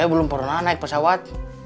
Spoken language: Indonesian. saya belum pernah naik pesawat